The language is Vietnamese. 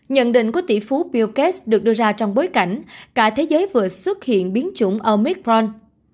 nhận định của tỷ phú bill gates được đưa ra trong bối cảnh cả thế giới vừa xuất hiện biến chủng omicron